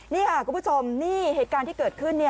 นี่ค่ะคุณผู้ชมนี่เหตุการณ์ที่เกิดขึ้น